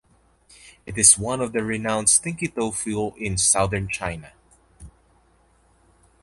It is one of the renowned stinky tofu in Southern China.